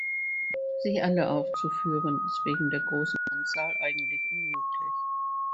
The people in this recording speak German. Sie alle aufzuführen, ist wegen der großen Anzahl eigentlich unmöglich.